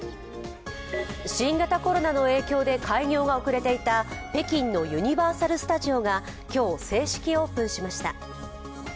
新型コロナの影響で開業が遅れていた北京のユニバーサル・スタジオが今日、正式オープンしました。